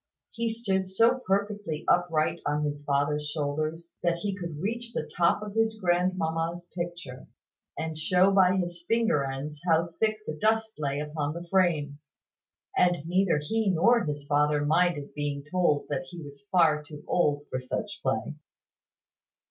He stood so perfectly upright on his father's shoulders, that he could reach the top of his grandmamma's picture, and show by his finger ends how thick the dust lay upon the frame: and neither he nor his father minded being told that he was far too old for such play.